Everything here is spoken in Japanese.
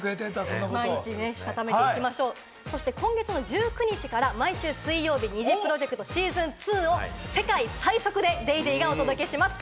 そして今月の１９日から毎週水曜日、ＮｉｚｉＰｒｏｊｅｃｔＳｅａｓｏｎ２を世界最速で『ＤａｙＤａｙ．』がお届けします。